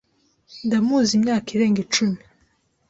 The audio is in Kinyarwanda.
Ndamuzi imyaka irenga icumi.